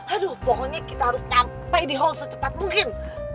aduh pokoknya kita harus nyampe di hall secepat mungkin